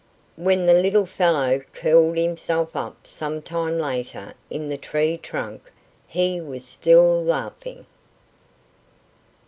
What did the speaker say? When the little fellow curled himself up some time later in the tree trunk he was still laughing.